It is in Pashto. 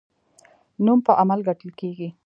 نوم په عمل ګټل کیږي